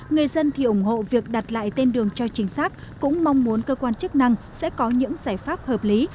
người dân thì ủng hộ việc đặt lại tên đường cho chính xác cũng mong muốn cơ quan chức năng sẽ có những giải pháp hợp lý